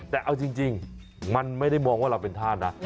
แต่เอาจริงมันไม่ได้มองว่าเราเป็นธาตุนะ